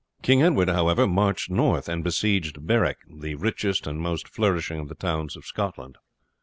King Edward, however, marched north and besieged Berwick, the richest and most flourishing of the towns of Scotland.